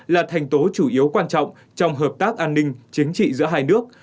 là thành tố chủ yếu quan trọng trong hợp tác an ninh chính trị giữa hai nước